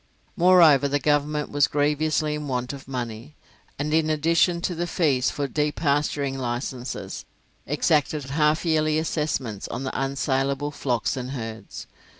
Moreover, the government was grievously in want of money, and in addition to the fees for depasturing licenses, exacted half yearly assessments on the unsaleable flocks and herds.